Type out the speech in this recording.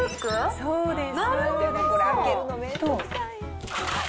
そうです。